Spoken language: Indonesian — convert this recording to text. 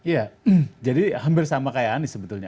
ya jadi hampir sama kaya anies sebetulnya